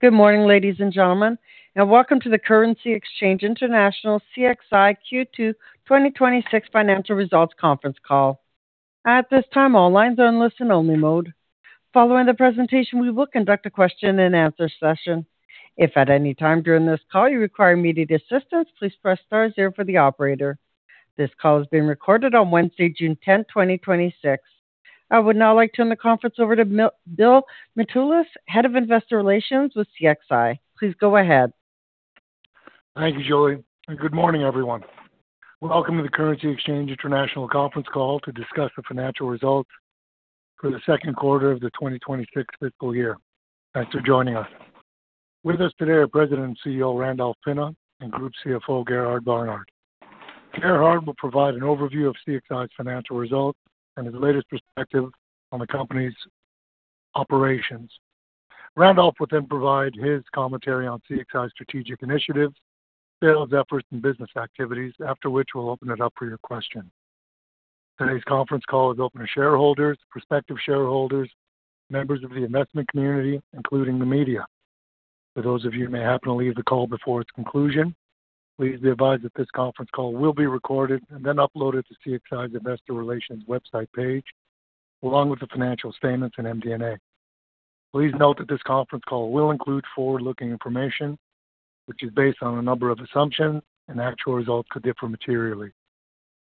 Good morning, ladies and gentlemen, welcome to the Currency Exchange International CXI Q2 2026 financial results conference call. At this time, all lines are in listen-only mode. Following the presentation, we will conduct a question and answer session. If at any time during this call you require immediate assistance, please press star zero for the operator. This call is being recorded on Wednesday, June 10th, 2026. I would now like to turn the conference over to Bill Mitoulas, Head of Investor Relations with CXI. Please go ahead. Thank you, Julie, good morning, everyone. Welcome to the Currency Exchange International conference call to discuss the financial results for the second quarter of the 2026 fiscal year. Thanks for joining us. With us today are President and CEO, Randolph Pinna, and Group CFO, Gerhard Barnard. Gerhard will provide an overview of CXI's financial results and his latest perspective on the company's operations. Randolph will provide his commentary on CXI's strategic initiatives, sales efforts, and business activities. After which, we'll open it up for your questions. Today's conference call is open to shareholders, prospective shareholders, members of the investment community, including the media. For those of you who may happen to leave the call before its conclusion, please be advised that this conference call will be recorded and then uploaded to CXI's Investor Relations website page, along with the financial statements and MD&A. Please note that this conference call will include forward-looking information, which is based on a number of assumptions, and actual results could differ materially.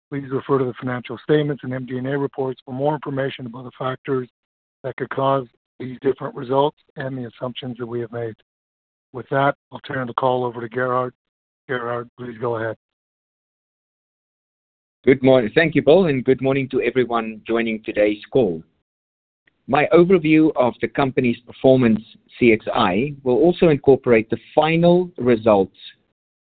Please refer to the financial statements and MD&A reports for more information about the factors that could cause these different results and the assumptions that we have made. With that, I'll turn the call over to Gerhard. Gerhard, please go ahead. Thank you, Bill, good morning to everyone joining today's call. My overview of the company's performance, CXI, will also incorporate the final results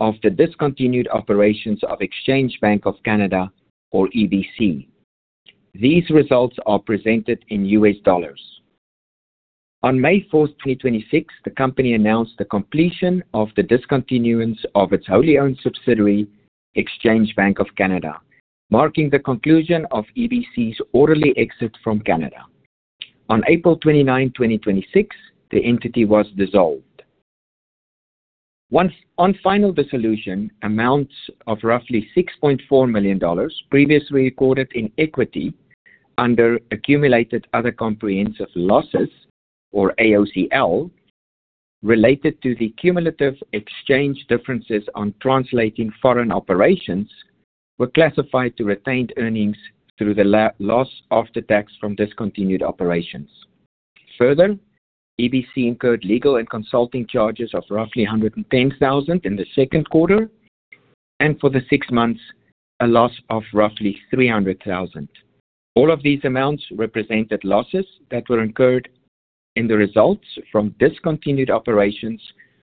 of the discontinued operations of Exchange Bank of Canada, or EBC. These results are presented in US dollars. On May 4th, 2026, the company announced the completion of the discontinuance of its wholly-owned subsidiary, Exchange Bank of Canada, marking the conclusion of EBC's orderly exit from Canada. On April 29, 2026, the entity was dissolved. On final dissolution, amounts of roughly $6.4 million, previously recorded in equity under accumulated other comprehensive losses, or AOCL, related to the cumulative exchange differences on translating foreign operations, were classified to retained earnings through the loss after tax from discontinued operations. Further, EBC incurred legal and consulting charges of roughly $110,000 in the second quarter, and for the six months, a loss of roughly $300,000. All of these amounts represented losses that were incurred in the results from discontinued operations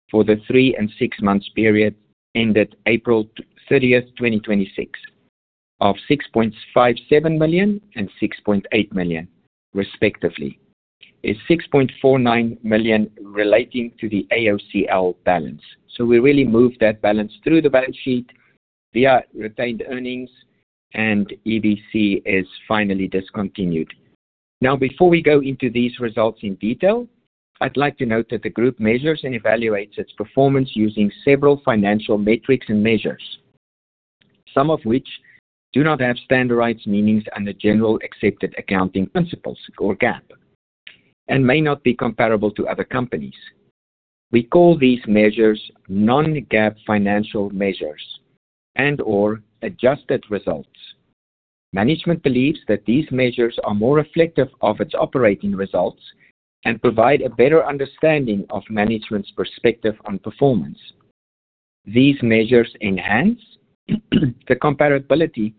for the three and six months period ended April 30th, 2026, of $6.57 million and $6.8 million respectively, is $6.49 million relating to the AOCL balance. We really moved that balance through the balance sheet via retained earnings and EBC is finally discontinued. Before we go into these results in detail, I'd like to note that the group measures and evaluates its performance using several financial metrics and measures, some of which do not have standardized meanings under generally accepted accounting principles or GAAP, and may not be comparable to other companies. We call these measures non-GAAP financial measures and/or adjusted results. Management believes that these measures are more reflective of its operating results and provide a better understanding of management's perspective on performance. These measures enhance the comparability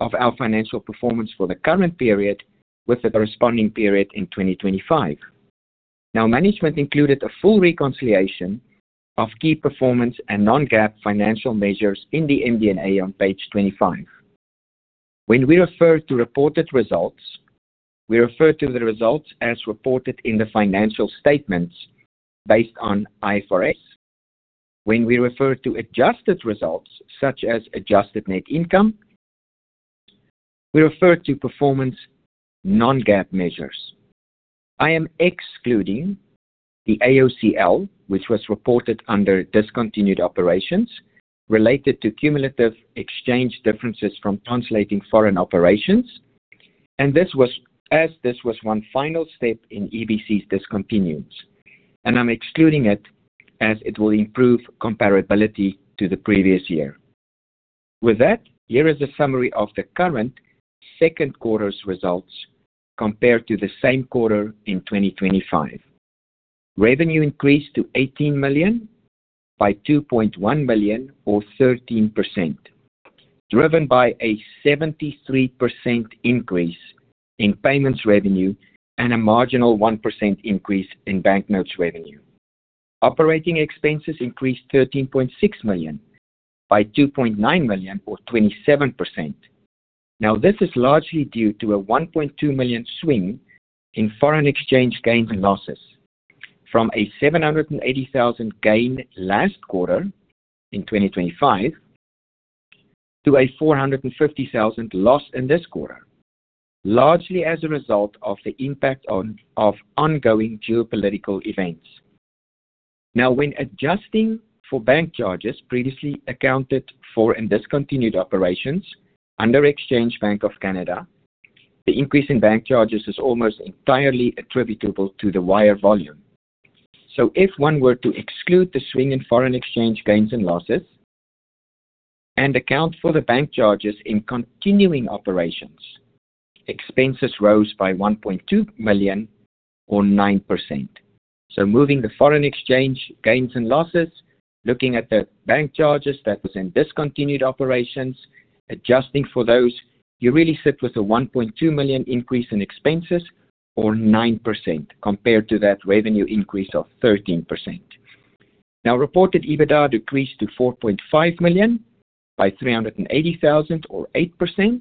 of our financial performance for the current period with the corresponding period in 2025. Management included a full reconciliation of key performance and non-GAAP financial measures in the MD&A on page 25. When we refer to reported results, we refer to the results as reported in the financial statements based on IFRS. When we refer to adjusted results, such as adjusted net income, we refer to performance non-GAAP measures. I am excluding the AOCL, which was reported under discontinued operations related to cumulative exchange differences from translating foreign operations, as this was one final step in EBC's discontinuance. I'm excluding it as it will improve comparability to the previous year. With that, here is a summary of the current second quarter's results compared to the same quarter in 2025. Revenue increased to $18 million by $2.1 million or 13%, driven by a 73% increase in payments revenue and a marginal 1% increase in banknotes revenue. Operating expenses increased $13.6 million by $2.9 million or 27%. This is largely due to a $1.2 million swing in foreign exchange gains and losses from a $780,000 gain last quarter in 2025 to a $450,000 loss in this quarter, largely as a result of the impact of ongoing geopolitical events. When adjusting for bank charges previously accounted for in discontinued operations under Exchange Bank of Canada, the increase in bank charges is almost entirely attributable to the wire volume. If one were to exclude the swing in foreign exchange gains and losses, and account for the bank charges in continuing operations, expenses rose by $1.2 million or 9%. Moving the foreign exchange gains and losses, looking at the bank charges that was in discontinued operations, adjusting for those, you really sit with a $1.2 million increase in expenses or 9% compared to that revenue increase of 13%. Reported EBITDA decreased to $4.5 million by $380,000 or 8%,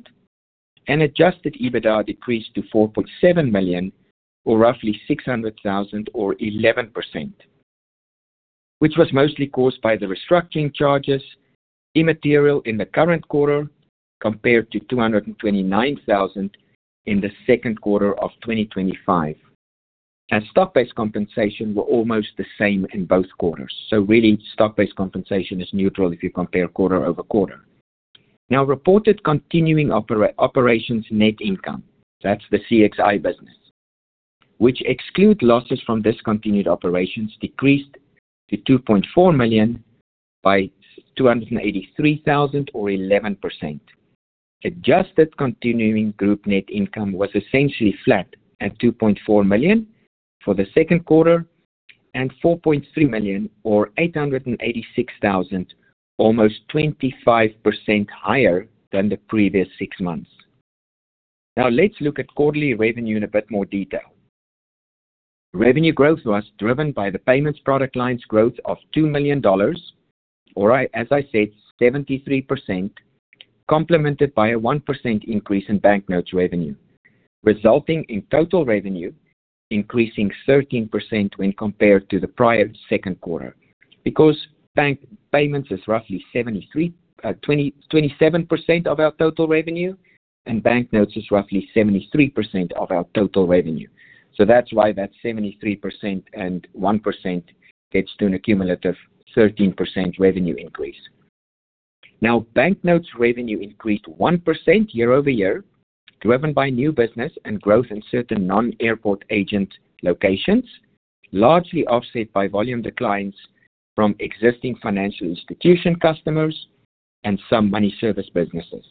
and adjusted EBITDA decreased to $4.7 million, or roughly $600,000 or 11%, which was mostly caused by the restructuring charges immaterial in the current quarter compared to $229,000 in the second quarter of 2025. Stock-based compensation were almost the same in both quarters. Really stock-based compensation is neutral if you compare quarter-over-quarter. Reported continuing operations net income, that's the CXI business, which exclude losses from discontinued operations decreased to $2.4 million by $283,000 or 11%. Adjusted continuing group net income was essentially flat at $2.4 million for the second quarter and $4.3 million, or $886,000, almost 25% higher than the previous six months. Let's look at quarterly revenue in a bit more detail. Revenue growth was driven by the payments product line's growth of $2 million, or as I said, 73%, complemented by a 1% increase in banknotes revenue, resulting in total revenue increasing 13% when compared to the prior second quarter. Because bank payments is roughly 27% of our total revenue, and banknotes is roughly 73% of our total revenue. That's why that 73% and 1% gets to an cumulative 13% revenue increase. Banknotes revenue increased 1% year-over-year, driven by new business and growth in certain non-airport agent locations, largely offset by volume declines from existing financial institution customers and some money service businesses.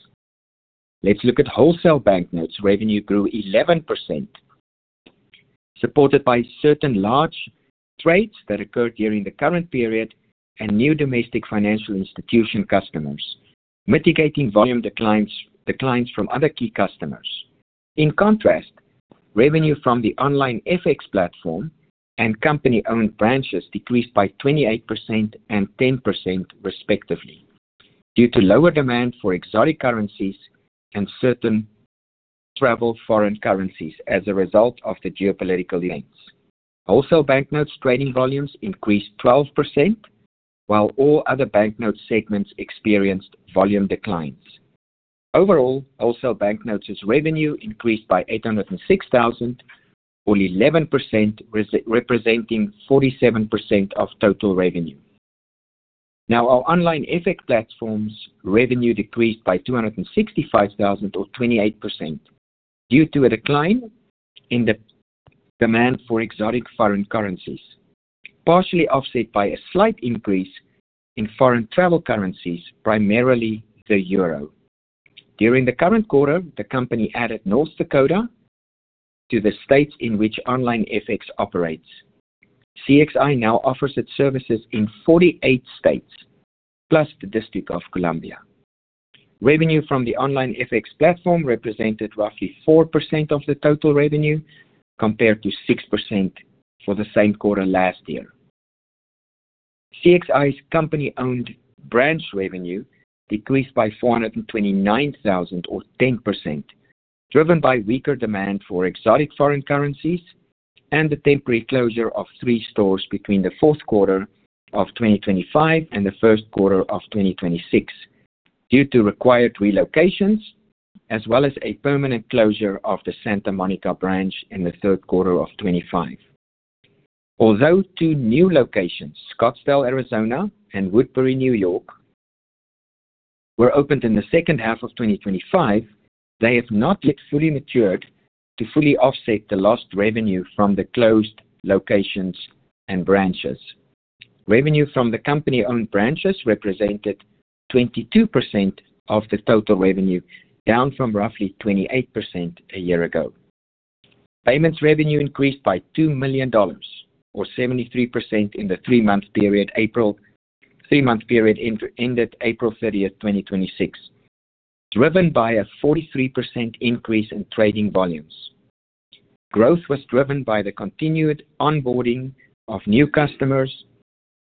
Let's look at wholesale banknotes. Revenue grew 11%, supported by certain large trades that occurred during the current period and new domestic financial institution customers mitigating volume declines from other key customers. In contrast, revenue from the OnlineFX platform and company-owned branches decreased by 28% and 10%, respectively, due to lower demand for exotic currencies and certain travel foreign currencies as a result of the geopolitical events. Wholesale banknotes trading volumes increased 12%, while all other banknote segments experienced volume declines. Overall, wholesale banknotes' revenue increased by $806,000 or 11%, representing 47% of total revenue. Our OnlineFX platform's revenue decreased by $265,000 or 28% due to a decline in the demand for exotic foreign currencies, partially offset by a slight increase in foreign travel currencies, primarily the EUR. During the current quarter, the company added North Dakota to the states in which OnlineFX operates. CXI now offers its services in 48 states plus the District of Columbia. Revenue from the OnlineFX platform represented roughly 4% of the total revenue, compared to 6% for the same quarter last year. CXI's company-owned branch revenue decreased by $429,000 or 10%, driven by weaker demand for exotic foreign currencies and the temporary closure of three stores between the fourth quarter of 2025 and the first quarter of 2026 due to required relocations, as well as a permanent closure of the Santa Monica branch in the third quarter of 2025. Two new locations, Scottsdale, Arizona, and Woodbury, New York, were opened in the second half of 2025, they have not yet fully matured to fully offset the lost revenue from the closed locations and branches. Revenue from the company-owned branches represented 22% of the total revenue, down from roughly 28% a year ago. Payments revenue increased by $2 million, or 73%, in the three-month period ended April 30th, 2026, driven by a 43% increase in trading volumes. Growth was driven by the continued onboarding of new customers,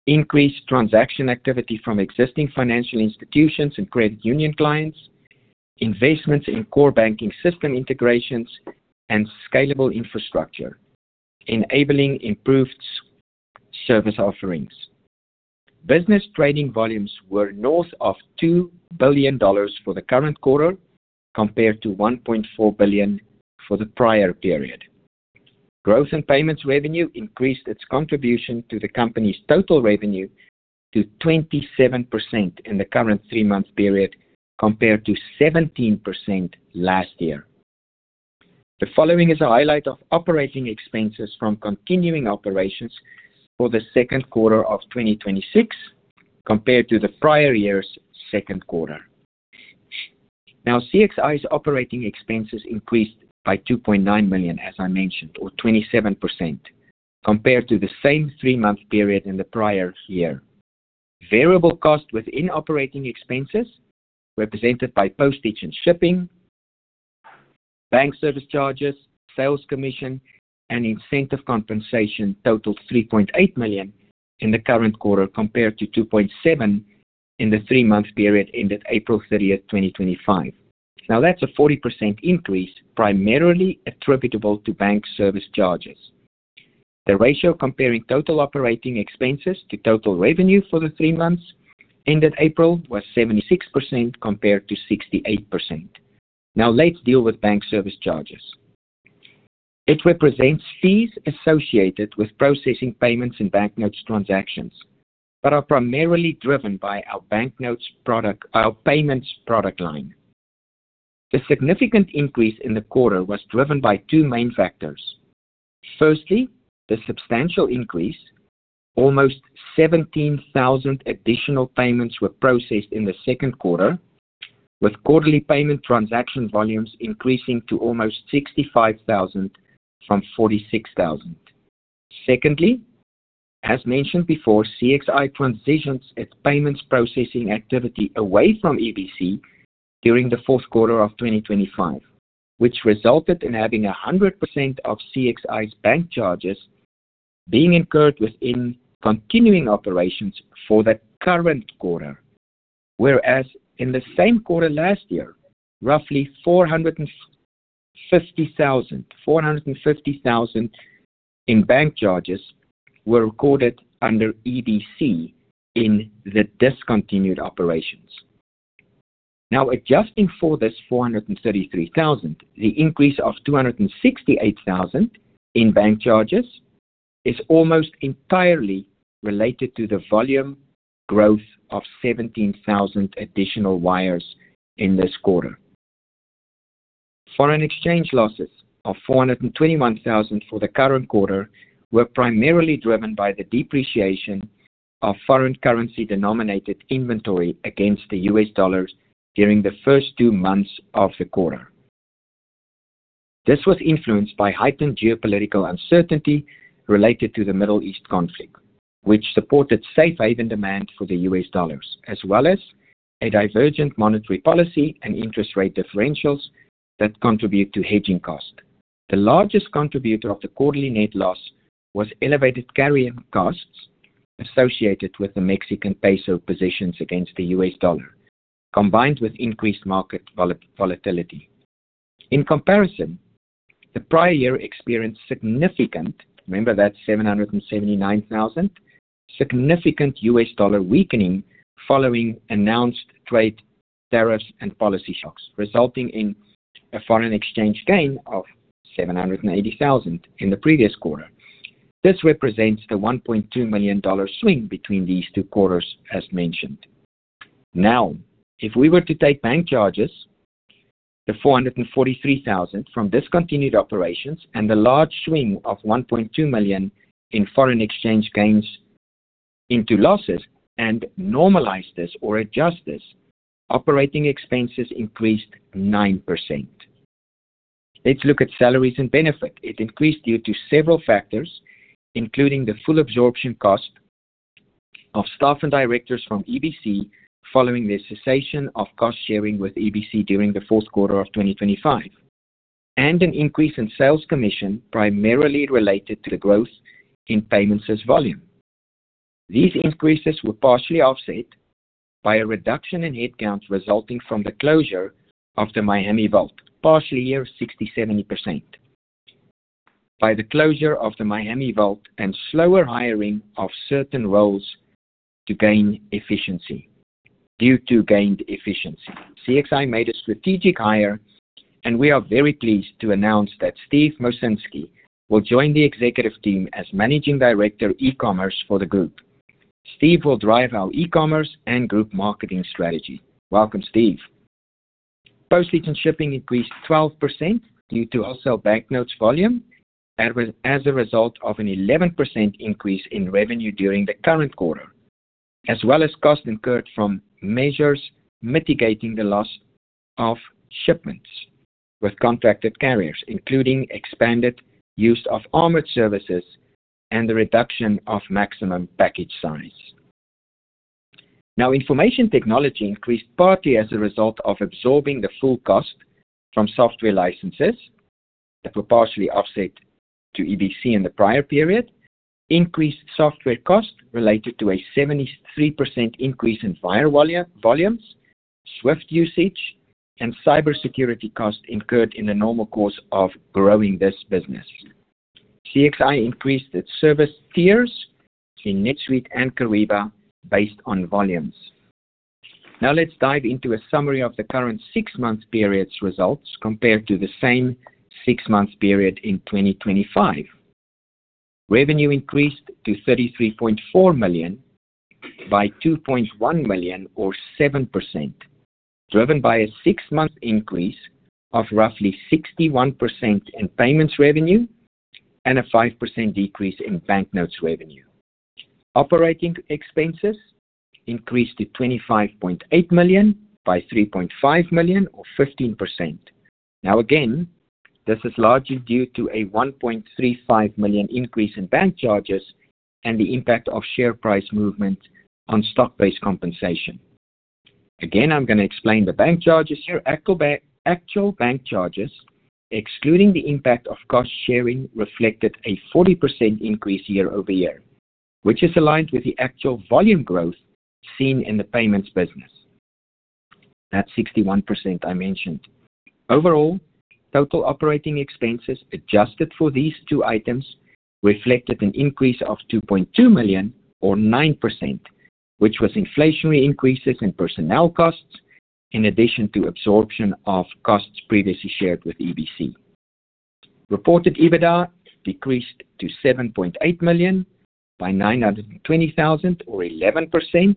increased transaction activity from existing financial institutions and credit union clients, investments in core banking system integrations and scalable infrastructure, enabling improved service offerings. Business trading volumes were north of $2 billion for the current quarter, compared to $1.4 billion for the prior period. Growth in payments revenue increased its contribution to the company's total revenue to 27% in the current three-month period, compared to 17% last year. The following is a highlight of operating expenses from continuing operations for the second quarter of 2026 compared to the prior year's second quarter. CXI's operating expenses increased by $2.9 million, as I mentioned, or 27%, compared to the same three-month period in the prior year. Variable cost within operating expenses, represented by postage and shipping, bank service charges, sales commission, and incentive compensation totaled $3.8 million in the current quarter, compared to $2.7 million in the three-month period ended April 30th, 2025. That's a 40% increase, primarily attributable to bank service charges. The ratio comparing total operating expenses to total revenue for the three months ended April was 76% compared to 68%. Let's deal with bank service charges. It represents fees associated with processing payments in banknotes transactions, but are primarily driven by our payments product line. The significant increase in the quarter was driven by two main factors. Firstly, the substantial increase. Almost 17,000 additional payments were processed in the second quarter, with quarterly payment transaction volumes increasing to almost 65,000 from 46,000. Secondly, as mentioned before, CXI transitions its payments processing activity away from EBC during the fourth quarter of 2025, which resulted in having 100% of CXI's bank charges being incurred within continuing operations for the current quarter. Whereas in the same quarter last year, roughly $450,000 in bank charges were recorded under EBC in the discontinued operations. Adjusting for this $433,000, the increase of $268,000 in bank charges is almost entirely related to the volume growth of 17,000 additional wires in this quarter. Foreign exchange losses of $421,000 for the current quarter were primarily driven by the depreciation of foreign currency-denominated inventory against the US dollars during the first two months of the quarter. This was influenced by heightened geopolitical uncertainty related to the Middle East conflict, which supported safe haven demand for the U.S. dollars, as well as a divergent monetary policy and interest rate differentials that contribute to hedging cost. The largest contributor of the quarterly net loss was elevated carrying costs associated with the Mexican peso positions against the U.S. dollar, combined with increased market volatility. In comparison, the prior year experienced significant, remember that $779,000, significant U.S. dollar weakening following announced trade tariffs and policy shocks, resulting in a foreign exchange gain of $780,000 in the previous quarter. This represents the $1.2 million swing between these two quarters as mentioned. If we were to take bank charges, the $443,000 from discontinued operations, and the large swing of $1.2 million in foreign exchange gains into losses and normalize this or adjust this, operating expenses increased 9%. Let's look at salaries and benefits. It increased due to several factors, including the full absorption cost of staff and directors from EBC following the cessation of cost-sharing with EBC during the fourth quarter of 2025, and an increase in sales commission primarily related to the growth in payments as volume. These increases were partially offset by a reduction in headcounts resulting from the closure of the Miami vault, partially here 60%, 70%. By the closure of the Miami vault and slower hiring of certain roles to gain efficiency. Due to gained efficiency, CXI made a strategic hire, and we are very pleased to announce that Steve Mercinski will join the executive team as Managing Director, E-commerce for the group. Steve will drive our e-commerce and group marketing strategy. Welcome, Steve. Postage and shipping increased 12% due to wholesale banknotes volume as a result of an 11% increase in revenue during the current quarter, as well as costs incurred from measures mitigating the loss of shipments with contracted carriers, including expanded use of armored services and the reduction of maximum package size. Information technology increased partly as a result of absorbing the full cost from software licenses that were partially offset to EBC in the prior period, increased software cost related to a 73% increase in wire volumes, SWIFT usage, and cybersecurity costs incurred in the normal course of growing this business. CXI increased its service tiers in NetSuite and Coreva based on volumes. Let's dive into a summary of the current six-month period's results compared to the same six-month period in 2025. Revenue increased to $33.4 million by $2.1 million or 7%, driven by a six-month increase of roughly 61% in payments revenue and a 5% decrease in banknotes revenue. Operating expenses increased to $25.8 million by $3.5 million or 15%. Again, this is largely due to a $1.35 million increase in bank charges and the impact of share price movement on stock-based compensation. I'm going to explain the bank charges here. Actual bank charges, excluding the impact of cost sharing, reflected a 40% increase year-over-year, which is aligned with the actual volume growth seen in the payments business. That 61% I mentioned. Overall, total operating expenses adjusted for these two items reflected an increase of $2.2 million or 9%, which was inflationary increases in personnel costs in addition to absorption of costs previously shared with EBC. Reported EBITDA decreased to $7.8 million by $920,000 or 11%,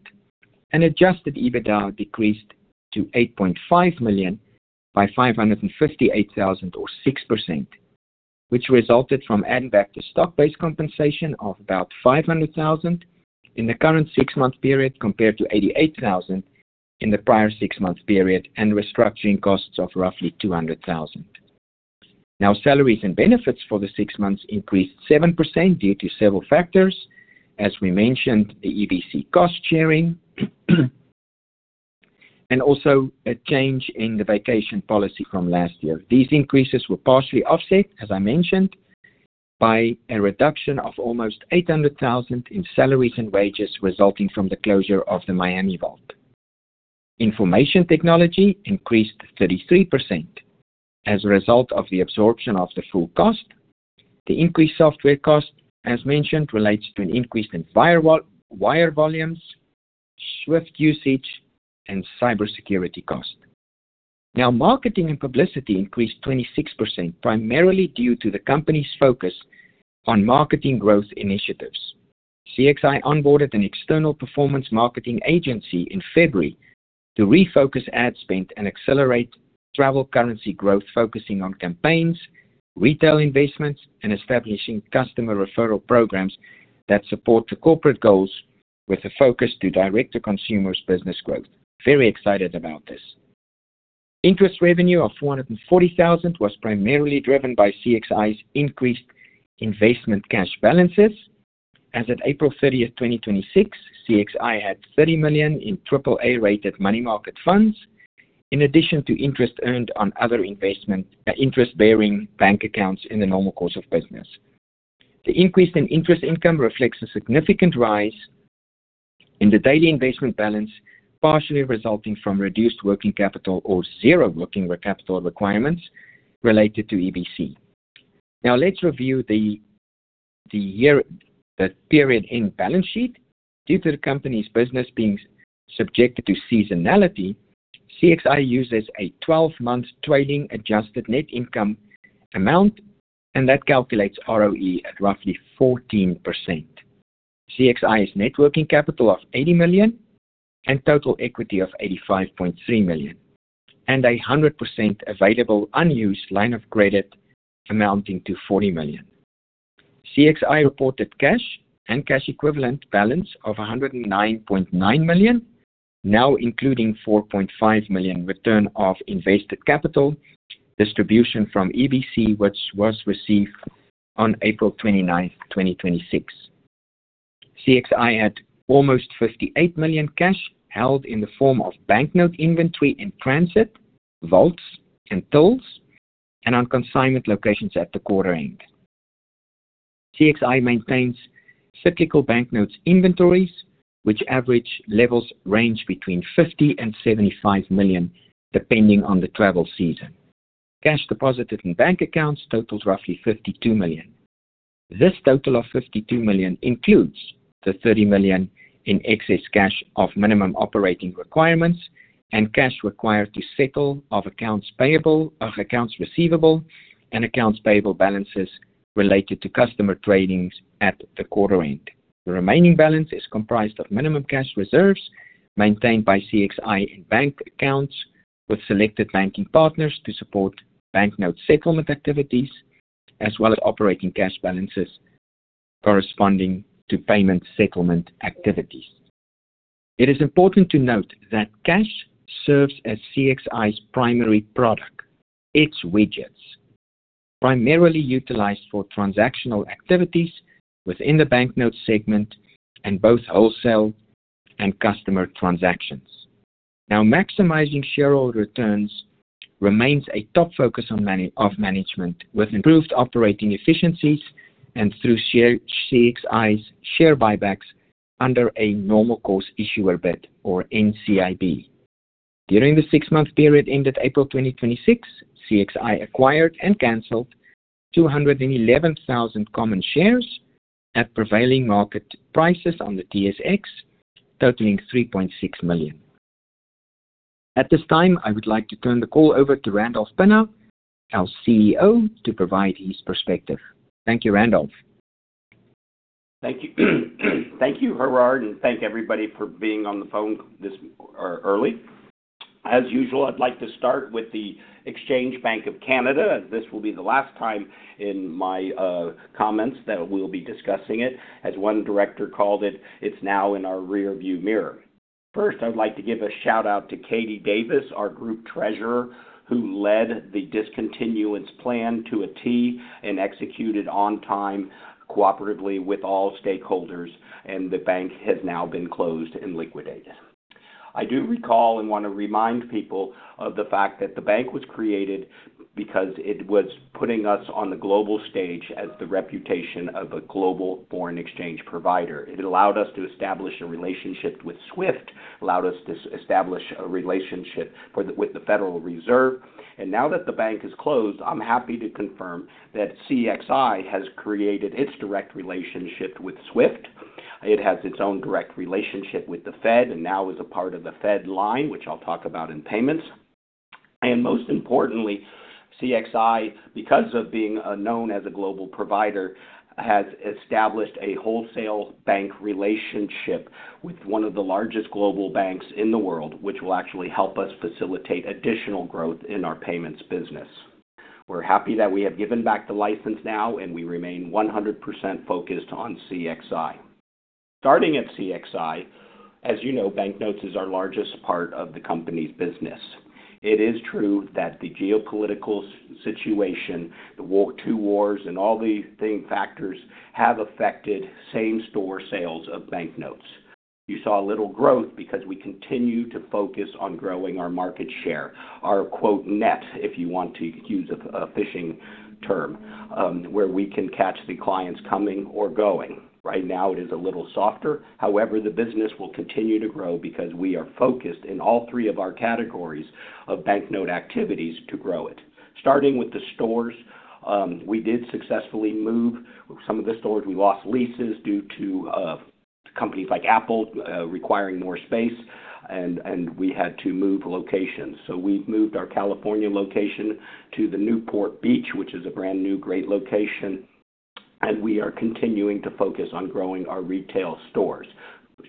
and adjusted EBITDA decreased to $8.5 million by $558,000 or 6%, which resulted from adding back the stock-based compensation of about $500,000 in the current six-month period compared to $88,000 in the prior six-month period, and restructuring costs of roughly $200,000. Salaries and benefits for the six months increased 7% due to several factors. As we mentioned, the EBC cost sharing, and also a change in the vacation policy from last year. These increases were partially offset, as I mentioned, by a reduction of almost $800,000 in salaries and wages resulting from the closure of the Miami vault. Information technology increased 33% as a result of the absorption of the full cost. The increased software cost, as mentioned, relates to an increase in wire volumes, SWIFT usage, and cybersecurity cost. Marketing and publicity increased 26%, primarily due to the company's focus on marketing growth initiatives. CXI onboarded an external performance marketing agency in February to refocus ad spend and accelerate travel currency growth, focusing on campaigns, retail investments, and establishing customer referral programs that support the corporate goals with a focus to direct the consumer business growth. Very excited about this. Interest revenue of $440,000 was primarily driven by CXI's increased investment cash balances. As of April 30th, 2026, CXI had $30 million in AAA-rated money market funds, in addition to interest earned on other interest-bearing bank accounts in the normal course of business. The increase in interest income reflects a significant rise in the daily investment balance, partially resulting from reduced working capital or zero working capital requirements related to EBC. Let's review the period end balance sheet. Due to the company's business being subjected to seasonality, CXI uses a 12-month trailing adjusted net income amount, and that calculates ROE at roughly 14%. CXI's net working capital of $80 million and total equity of $85.3 million, and 100% available unused line of credit amounting to $40 million. CXI reported cash and cash equivalent balance of $109.9 million, now including $4.5 million return of invested capital distribution from EBC, which was received on April 29th, 2026. CXI had almost $58 million cash held in the form of banknote inventory in transit, vaults, and tolls, and on consignment locations at the quarter end. CXI maintains cyclical banknotes inventories, which average levels range between $50 million and $75 million, depending on the travel season. Cash deposited in bank accounts totals roughly $52 million. This total of $52 million includes the $30 million in excess cash of minimum operating requirements and cash required to settle off accounts receivable and accounts payable balances related to customer tradings at the quarter end. The remaining balance is comprised of minimum cash reserves maintained by CXI in bank accounts with selected banking partners to support banknote settlement activities, as well as operating cash balances corresponding to payment settlement activities. It is important to note that cash serves as CXI's primary product. Its widgets, primarily utilized for transactional activities within the banknote segment in both wholesale and customer transactions. Now, maximizing shareholder returns remains a top focus of management with improved operating efficiencies and through CXI's share buybacks under a normal course issuer bid, or NCIB. During the six-month period ended April 2026, CXI acquired and canceled 211,000 common shares at prevailing market prices on the TSX, totaling $3.6 million. At this time, I would like to turn the call over to Randolph Pinna, our CEO, to provide his perspective. Thank you, Randolph. Thank you, Gerhard, thank everybody for being on the phone this early. As usual, I'd like to start with the Exchange Bank of Canada, as this will be the last time in my comments that we'll be discussing it. As one director called it's now in our rear view mirror. First, I'd like to give a shout-out to Katie Davis, our group treasurer, who led the discontinuance plan to a T and executed on time cooperatively with all stakeholders, and the bank has now been closed and liquidated. I do recall and want to remind people of the fact that the bank was created because it was putting us on the global stage as the reputation of a global foreign exchange provider. It allowed us to establish a relationship with SWIFT, allowed us to establish a relationship with the Federal Reserve. Now that the bank is closed, I'm happy to confirm that CXI has created its direct relationship with SWIFT. It has its own direct relationship with the Fed and now is a part of the FedLine, which I'll talk about in payments. Most importantly, CXI, because of being known as a global provider, has established a wholesale bank relationship with one of the largest global banks in the world, which will actually help us facilitate additional growth in our payments business. We're happy that we have given back the license now, and we remain 100% focused on CXI. Starting at CXI, as you know, banknotes is our largest part of the company's business. It is true that the geopolitical situation, the two wars and all these factors have affected same-store sales of banknotes. You saw a little growth because we continue to focus on growing our market share, our quote, net, if you want to use a fishing term, where we can catch the clients coming or going. Right now it is a little softer. However, the business will continue to grow because we are focused in all 3 of our categories of banknote activities to grow it. Starting with the stores, we did successfully move some of the stores. We lost leases due to companies like Apple requiring more space and we had to move locations. We've moved our California location to the Newport Beach, which is a brand-new great location, and we are continuing to focus on growing our retail stores.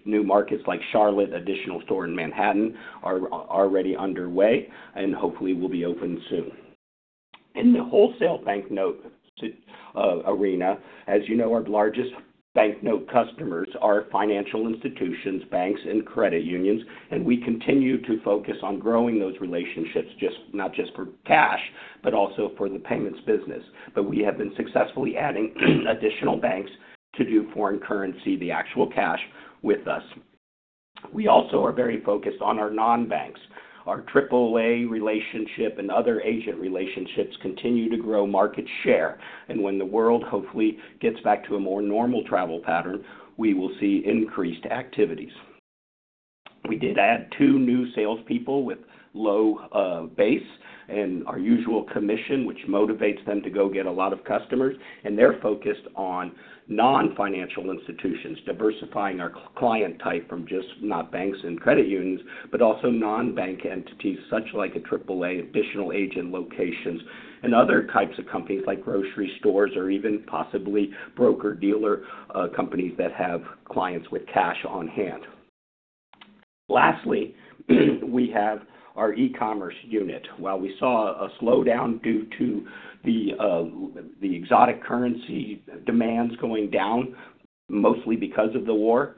New markets like Charlotte, additional store in Manhattan are already underway and hopefully will be open soon. In the wholesale banknote arena, as you know, our largest banknote customers are financial institutions, banks, and credit unions, we continue to focus on growing those relationships, not just for cash, but also for the payments business. We have been successfully adding additional banks to do foreign currency, the actual cash with us. We also are very focused on our non-banks. Our AAA relationship and other agent relationships continue to grow market share. When the world hopefully gets back to a more normal travel pattern, we will see increased activities. We did add two new salespeople with low base and our usual commission, which motivates them to go get a lot of customers. They're focused on non-financial institutions, diversifying our client type from just not banks and credit unions, but also non-bank entities such like AAA, additional agent locations and other types of companies like grocery stores or even possibly broker-dealer companies that have clients with cash on hand. Lastly, we have our e-commerce unit. While we saw a slowdown due to the exotic currency demands going down mostly because of the war,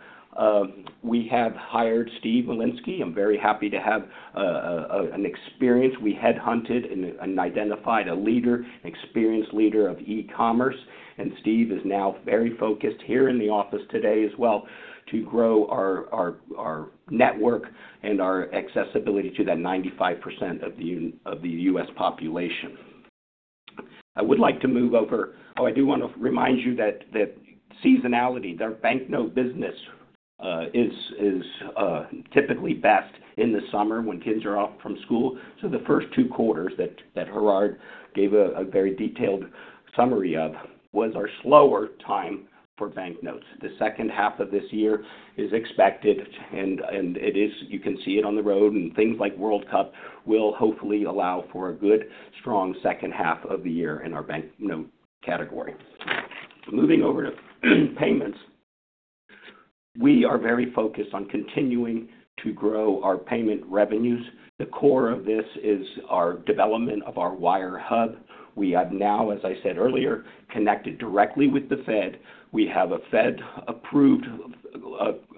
we have hired Steve Mercinski. We headhunted and identified a leader, experienced leader of e-commerce. Steve is now very focused here in the office today as well to grow our network and our accessibility to that 95% of the U.S. population. I do want to remind you that seasonality, the banknote business is typically best in the summer when kids are off from school. The first two quarters that Gerhard gave a very detailed summary of was our slower time for banknotes. The second half of this year is expected, and you can see it on the road, and things like World Cup will hopefully allow for a good, strong second half of the year in our banknote category. Moving over to payments. We are very focused on continuing to grow our payment revenues. The core of this is our development of our WireHub. We have now, as I said earlier, connected directly with the Fed. We have a Fed-approved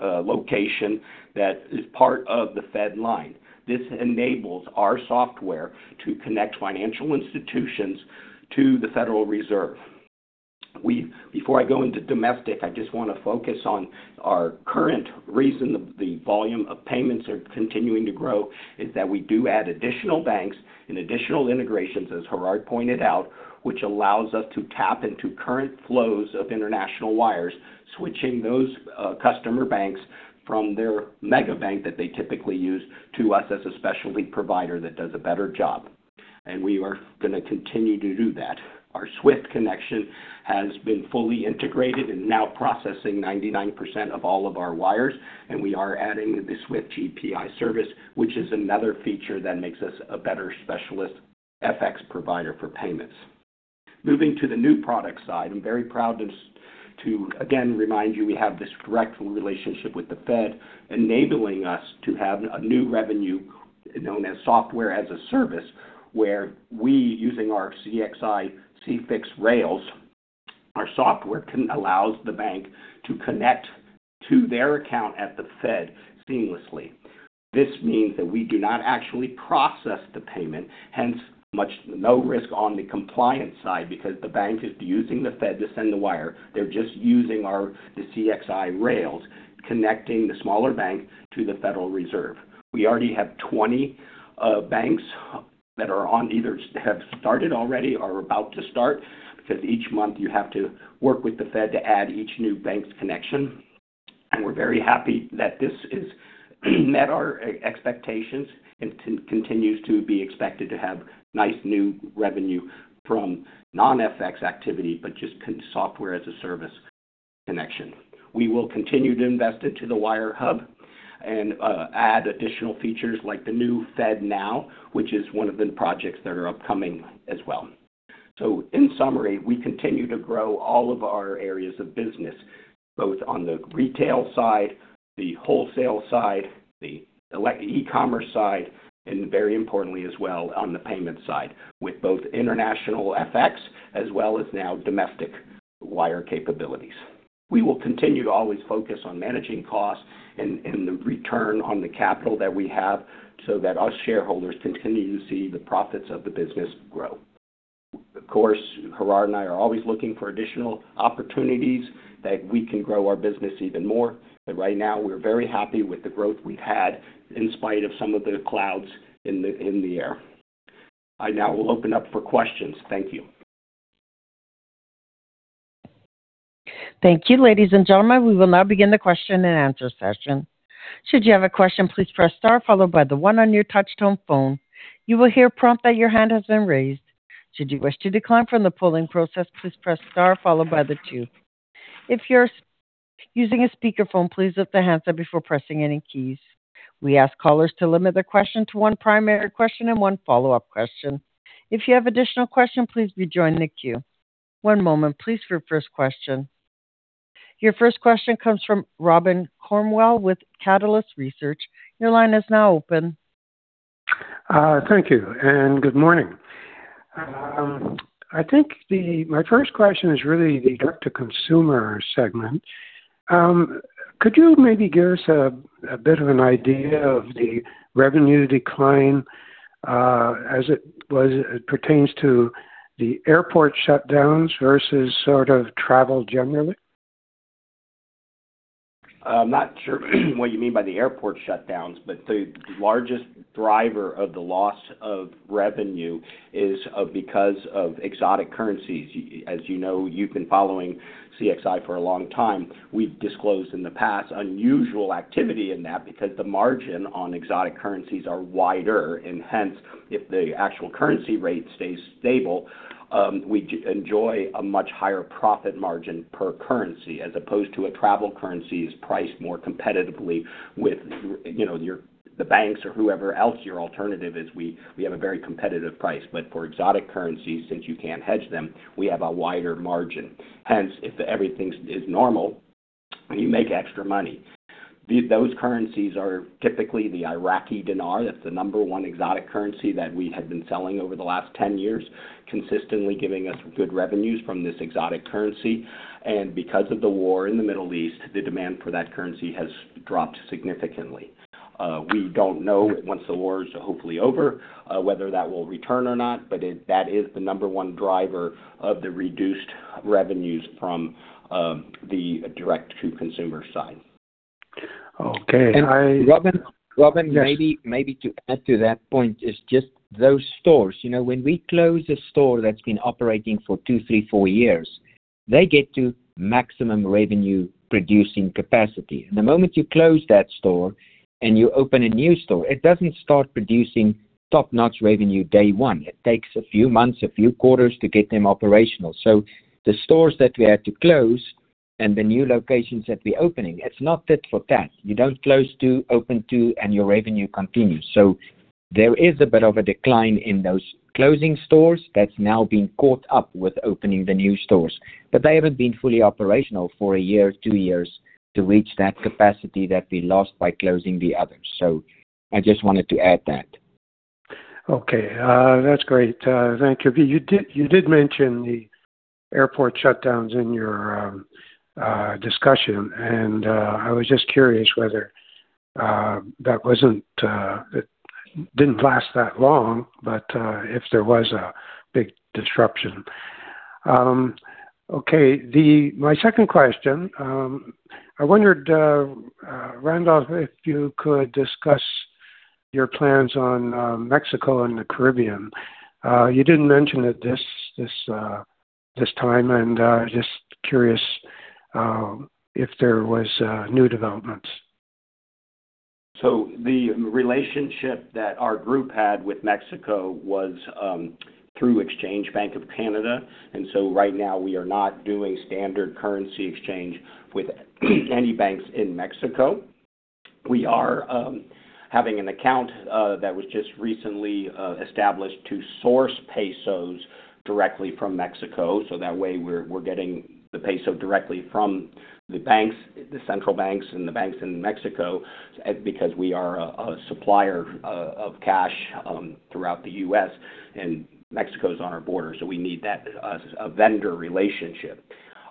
location that is part of the FedLine. This enables our software to connect financial institutions to the Federal Reserve. Before I go into domestic, I just want to focus on our current reason the volume of payments are continuing to grow is that we do add additional banks and additional integrations, as Gerhard pointed out, which allows us to tap into current flows of international wires, switching those customer banks from their mega bank that they typically use to us as a specialty provider that does a better job. We are going to continue to do that. Our SWIFT connection has been fully integrated and now processing 99% of all of our wires, and we are adding the SWIFT GPI service, which is another feature that makes us a better specialist FX provider for payments. Moving to the new product side, I'm very proud to, again, remind you we have this direct relationship with the Fed, enabling us to have a new revenue known as Software as a Service, where we, using our CXIFX rails, our software allows the bank to connect to their account at the Fed seamlessly. This means that we do not actually process the payment, hence much no risk on the compliance side because the bank is using the Fed to send the wire. They're just using the CXI rails connecting the smaller bank to the Federal Reserve. We already have 20 banks that either have started already or are about to start, because each month you have to work with the Fed to add each new bank's connection. We're very happy that this has met our expectations and continues to be expected to have nice new revenue from non-FX activity, but just Software as a Service connection. We will continue to invest into the WireHub and add additional features like the new FedNow, which is one of the projects that are upcoming as well. In summary, we continue to grow all of our areas of business, both on the retail side, the wholesale side, the e-commerce side, and very importantly as well on the payment side with both international FX as well as now domestic wire capabilities. We will continue to always focus on managing costs and the return on the capital that we have so that us shareholders continue to see the profits of the business grow. Gerhard and I are always looking for additional opportunities that we can grow our business even more. Right now, we're very happy with the growth we've had in spite of some of the clouds in the air. I now will open up for questions. Thank you. Thank you. Ladies and gentlemen, we will now begin the question and answer session. Should you have a question, please press star followed by the one on your touch-tone phone. You will hear a prompt that your hand has been raised. Should you wish to decline from the polling process, please press star followed by the two. If you're using a speakerphone, please lift the handset before pressing any keys. We ask callers to limit their question to one primary question and one follow-up question. If you have additional question, please rejoin the queue. One moment, please, for your first question. Your first q.uestion comes from Robin Cornwell with Catalyst Research. Your line is now open. Thank you. Good morning. I think my first question is really the direct-to-consumer segment. Could you maybe give us a bit of an idea of the revenue decline as it pertains to the airport shutdowns versus sort of travel generally? I'm not sure what you mean by the airport shutdowns, the largest driver of the loss of revenue is because of exotic currencies. As you know, you've been following CXI for a long time. We've disclosed in the past unusual activity in that because the margin on exotic currencies are wider, hence, if the actual currency rate stays stable, we enjoy a much higher profit margin per currency as opposed to a travel currency is priced more competitively with the banks or whoever else your alternative is. We have a very competitive price. For exotic currencies, since you can't hedge them, we have a wider margin. Hence, if everything is normal, you make extra money. Those currencies are typically the Iraqi dinar. That's the number one exotic currency that we have been selling over the last 10 years, consistently giving us good revenues from this exotic currency. Because of the war in the Middle East, the demand for that currency has dropped significantly. We don't know once the war is hopefully over whether that will return or not, but that is the number one driver of the reduced revenues from the direct-to-consumer side. Okay. Robin? Yes. Robin, maybe to add to that point is just those stores. When we close a store that's been operating for two, three, four years, they get to maximum revenue-producing capacity. The moment you close that store and you open a new store, it doesn't start producing top-notch revenue day one. It takes a few months, a few quarters to get them operational. The stores that we had to close and the new locations that we're opening, it's not tit for tat. You don't close two, open two, and your revenue continues. There is a bit of a decline in those closing stores that's now being caught up with opening the new stores. But they haven't been fully operational for a year, two years to reach that capacity that we lost by closing the others. I just wanted to add that. Okay. That's great. Thank you. You did mention the airport shutdowns in your discussion, and I was just curious whether that didn't last that long, but if there was a big disruption. Okay. My second question, I wondered, Randolph, if you could discuss your plans on Mexico and the Caribbean. You didn't mention it this time, and just curious if there was new developments. The relationship that our group had with Mexico was through Exchange Bank of Canada. Right now, we are not doing standard currency exchange with any banks in Mexico. We are having an account that was just recently established to source pesos directly from Mexico, that way we're getting the peso directly from the central banks and the banks in Mexico because we are a supplier of cash throughout the U.S., and Mexico's on our border, so we need that as a vendor relationship.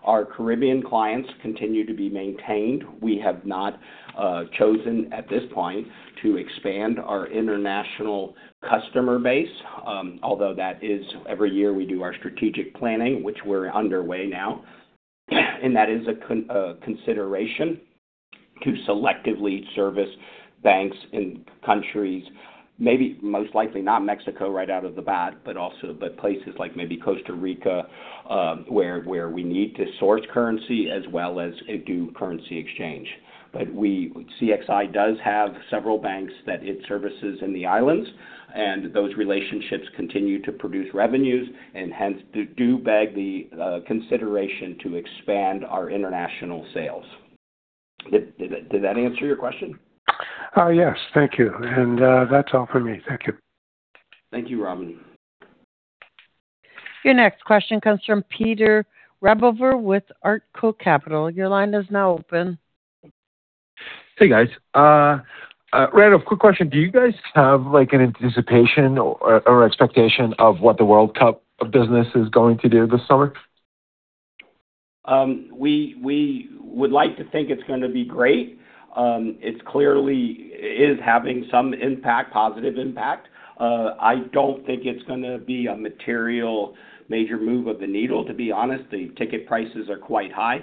Our Caribbean clients continue to be maintained. We have not chosen at this point to expand our international customer base. Although that is every year we do our strategic planning, which we're underway now, that is a consideration to selectively service banks in countries, maybe most likely not Mexico right out of the bat, but places like maybe Costa Rica, where we need to source currency as well as do currency exchange. CXI does have several banks that it services in the islands, and those relationships continue to produce revenues and hence do beg the consideration to expand our international sales. Did that answer your question? Yes. Thank you. That's all for me. Thank you. Thank you, Robin. Your next question comes from Peter Rabover with Artko Capital. Your line is now open. Hey, guys. Randolph, quick question. Do you guys have an anticipation or expectation of what the World Cup of Business is going to do this summer? We would like to think it's going to be great. It clearly is having some positive impact. I don't think it's going to be a material major move of the needle, to be honest. The ticket prices are quite high,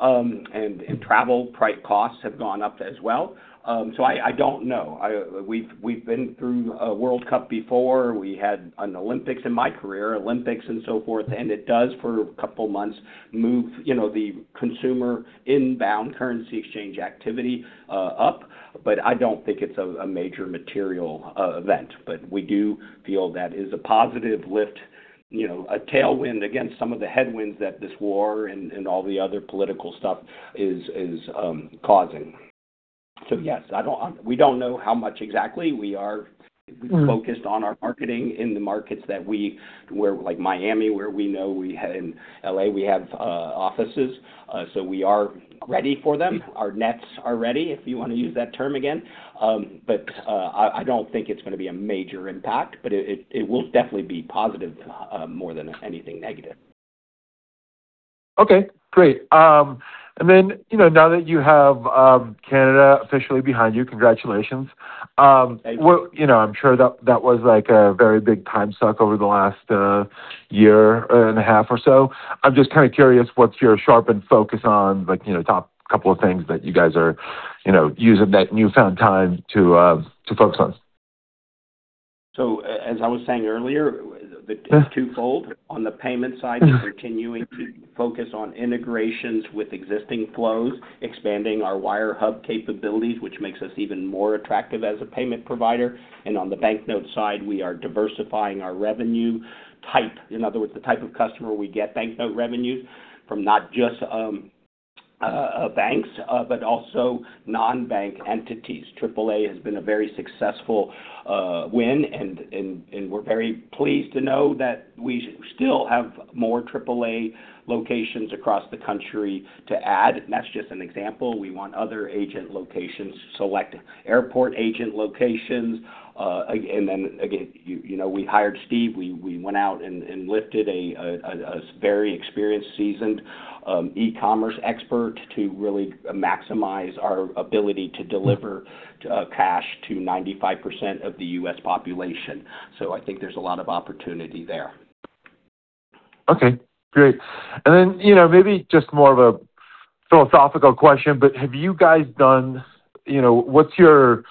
and travel costs have gone up as well. I don't know. We've been through a World Cup before. We had an Olympics in my career, Olympics and so forth, and it does, for a couple of months, move the consumer inbound currency exchange activity up. I don't think it's a major material event. We do feel that is a positive lift, a tailwind against some of the headwinds that this war and all the other political stuff is causing. Yes, we don't know how much exactly. We are focused on our marketing in the markets like Miami, where we know in L.A. we have offices. We are ready for them. Our nets are ready, if you want to use that term again. I don't think it's going to be a major impact, but it will definitely be positive more than anything negative. Okay, great. Now that you have Canada officially behind you, congratulations. Thank you. I'm sure that was a very big time suck over the last year and a half or so. I'm just kind of curious, what's your sharpened focus on, top couple of things that you guys are using that newfound time to focus on? As I was saying earlier, it's twofold. On the payment side, continuing to focus on integrations with existing flows, expanding our WireHub capabilities, which makes us even more attractive as a payment provider. On the banknote side, we are diversifying our revenue type. In other words, the type of customer we get banknote revenues from not just banks, but also non-bank entities. AAA has been a very successful win, and we're very pleased to know that we still have more AAA locations across the country to add. That's just an example. We want other agent locations, select airport agent locations. Then, again, we hired Steve. We went out and lifted a very experienced, seasoned E-commerce expert to really maximize our ability to deliver cash to 95% of the U.S. population. I think there's a lot of opportunity there. Okay, great. Maybe just more of a philosophical question, but what's your,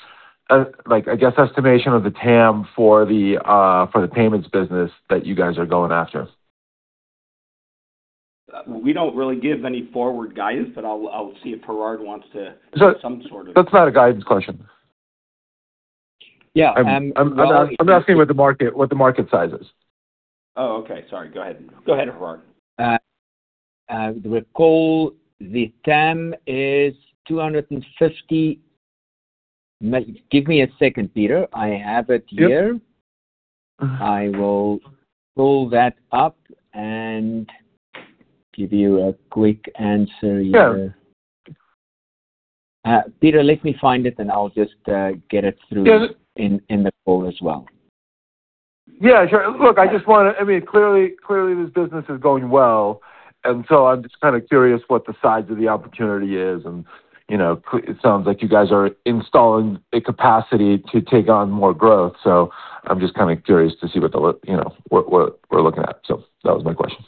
I guess, estimation of the TAM for the payments business that you guys are going after? We don't really give any forward guidance, but I'll see if Gerhard wants to give some sort of. That's not a guidance question. Yeah. I'm asking what the market size is. Oh, okay. Sorry. Go ahead. Go ahead, Gerhard. I recall the TAM is 250. Give me a second, Peter. I have it here. Yep. I will pull that up and give you a quick answer here. Sure. Peter, let me find it, and I'll just get it through in the call as well. Yeah, sure. Look, clearly this business is going well, I'm just kind of curious what the size of the opportunity is, and it sounds like you guys are installing a capacity to take on more growth. I'm just kind of curious to see what we're looking at. That was my question.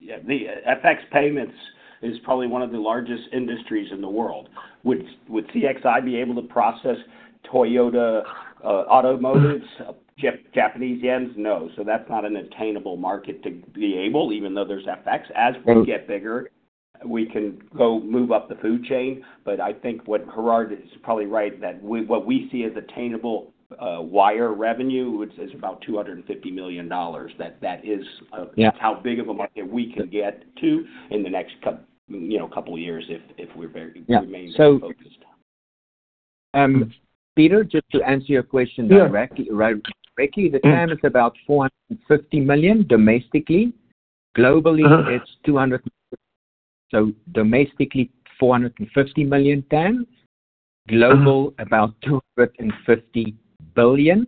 Yeah. FX payments is probably one of the largest industries in the world. Would CXI be able to process Toyota Automotive's Japanese yen? No. That's not an attainable market to be able, even though there's FX. As we get bigger, we can go move up the food chain. I think what Gerhard is probably right, that what we see as attainable wire revenue, which is about 250 million dollars. That is- Yeah how big of a market we can get to in the next couple years if we remain very focused. Peter, just to answer your question directly. The TAM is about 450 million domestically. Globally, it is 200. Domestically, 450 million TAM. Global, about 250 billion.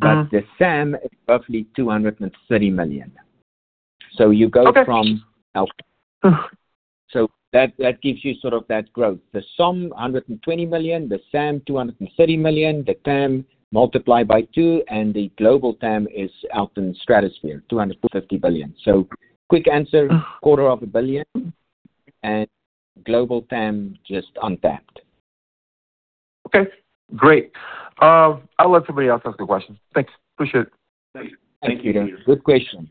The SAM is roughly 230 million. Okay. That gives you sort of that growth. The SOM, 120 million, the SAM, 230 million, the TAM multiplied by two, and the global TAM is out in stratosphere, 250 billion. Quick answer, quarter of a billion CAD, and global TAM just untapped. Okay, great. I'll let somebody else ask a question. Thanks. Appreciate it. Thank you. Thank you. Good question.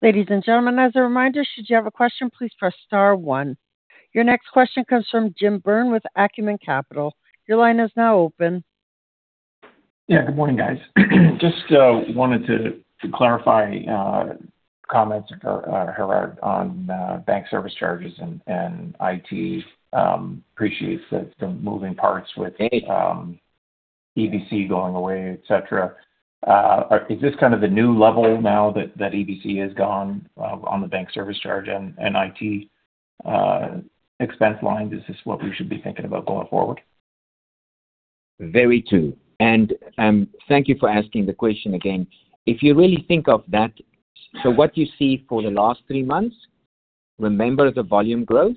Ladies and gentlemen, as a reminder, should you have a question, please press star one. Your next question comes from Jim Byrne with Acumen Capital. Your line is now open. Yeah, good morning, guys. Just wanted to clarify comments, Gerhard, on bank service charges and IT. Appreciate the moving parts with Hey EBC going away, et cetera. Is this kind of the new level now that EBC is gone on the bank service charge and IT expense line? Is this what we should be thinking about going forward? Very true. Thank you for asking the question again. If you really think of that, what you see for the last three months, remember the volume growth.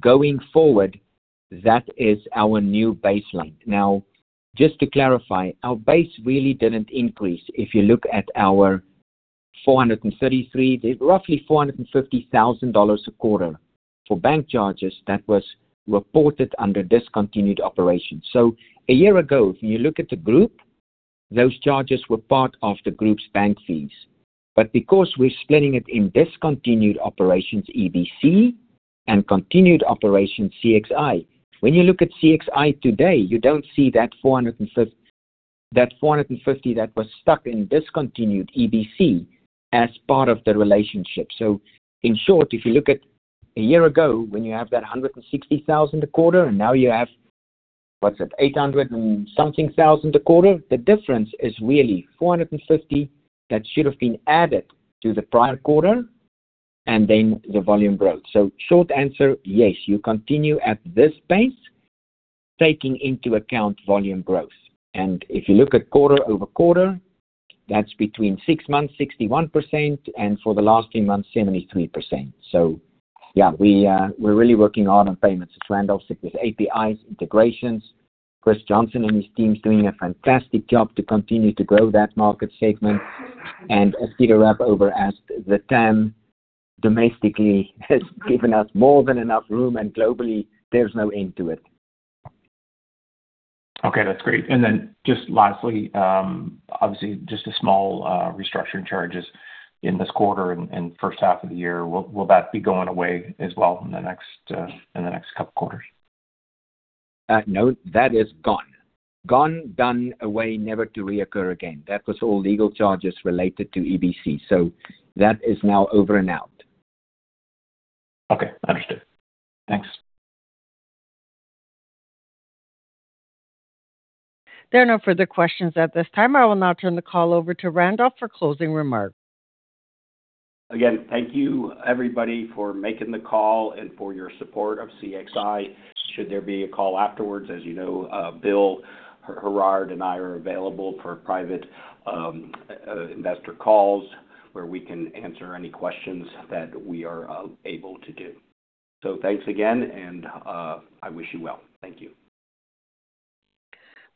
Going forward, that is our new baseline. Just to clarify, our base really didn't increase. If you look at our 433, roughly $450,000 a quarter for bank charges that was reported under discontinued operations. A year ago, when you look at the group, those charges were part of the group's bank fees. Because we're splitting it in discontinued operations, EBC, and continued operations, CXI, when you look at CXI today, you don't see that $450 that was stuck in discontinued EBC as part of the relationship. In short, if you look at a year ago when you have that $160,000 a quarter and now you have, what's it, $800,000 and something a quarter, the difference is really $450 that should have been added to the prior quarter, and then the volume growth. Short answer, yes. You continue at this pace, taking into account volume growth. If you look at quarter-over-quarter, that's between six months, 61%, and for the last three months, 73%. Yeah, we're really working hard on payments. As Randolph said, with APIs, integrations. Chris Johnson and his team's doing a fantastic job to continue to grow that market segment. As Peter Rabover asked, the TAM domestically has given us more than enough room, and globally, there's no end to it. Okay, that's great. Just lastly, obviously just the small restructuring charges in this quarter and first half of the year, will that be going away as well in the next couple quarters? No, that is gone. Gone, done, away, never to reoccur again. That was all legal charges related to EBC. That is now over and out. Okay, understood. Thanks. There are no further questions at this time. I will now turn the call over to Randolph for closing remarks. Thank you everybody for making the call and for your support of CXI. Should there be a call afterwards, as you know, Bill, Gerhard, and I are available for private investor calls where we can answer any questions that we are able to do. Thanks again, and I wish you well. Thank you.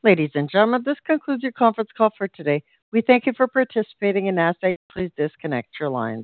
Ladies and gentlemen, this concludes your conference call for today. We thank you for participating, and as I said, please disconnect your lines.